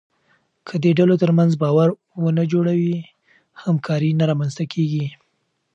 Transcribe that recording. که د ډلو ترمنځ باور ونه جوړوې، همکاري نه رامنځته کېږي.